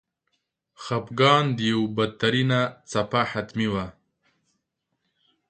د خپګان یوه بدترینه څپه حتمي وه.